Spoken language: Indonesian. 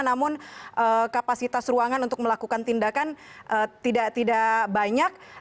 namun kapasitas ruangan untuk melakukan tindakan tidak banyak